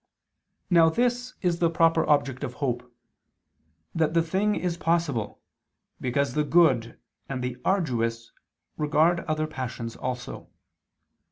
Now this is the proper object of hope that the thing is possible, because the good and the arduous regard other passions also.